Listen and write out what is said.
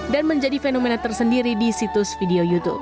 dan menjadi fenomena tersendiri di situs video youtube